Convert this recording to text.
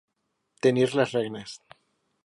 Tenir les regnes.